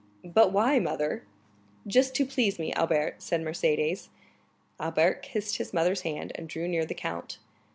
"But why, mother?" "Just to please me, Albert," said Mercédès. Albert kissed his mother's hand, and drew near the count.